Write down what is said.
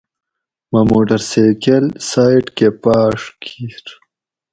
مٞہ موٹر سیکٞل سایٔڈ کٞہ پاٞݭ کِیر